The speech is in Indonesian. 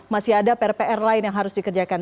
masih ada pr pr lain yang harus dikerjakan